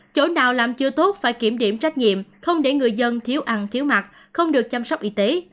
chỗ nào làm chưa tốt phải kiểm điểm trách nhiệm không để người dân thiếu ăn thiếu mặt không được chăm sóc y tế